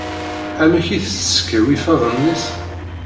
Amek i s-teskaw ifadden-is?